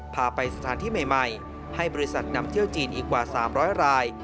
พาไปสถานที่ใหม่ให้บริษัทนำเที่ยวจีนอีกกว่า๓๐๐ราย